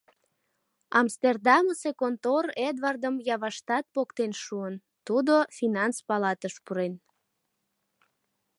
Амстердамысе контор Эдвардым Яваштат поктен шуын: тудо Финанс палатыш пурен.